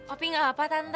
opi gak apa tante